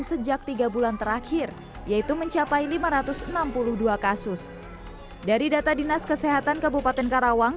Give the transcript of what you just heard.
sejak tiga bulan terakhir yaitu mencapai lima ratus enam puluh dua kasus dari data dinas kesehatan kabupaten karawang